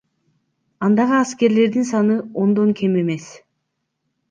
Андагы аскерлердин саны ондон кем эмес.